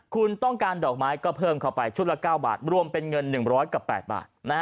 คุณต้องการดอกไม้ก็เพิ่มเข้าไปชุดละ๙บาทรวมเป็นเงิน๑๐๐กับ๘บาท